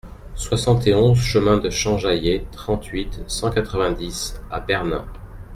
soixante et onze chemin de Champ Jaillet, trente-huit, cent quatre-vingt-dix à Bernin